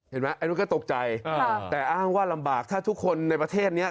เห็นไหมไอ้นุ่นก็ตกใจแต่อ้างว่าลำบากถ้าทุกคนในประเทศนี้